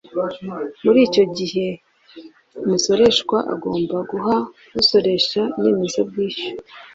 Muri icyo gihe umusoreshwa agomba guha usoresha inyemezabwishyu